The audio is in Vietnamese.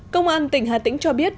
công an tỉnh hà tĩnh cho biết